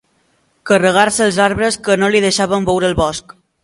Carregar-se els arbres que no li deixaven veure el bosc.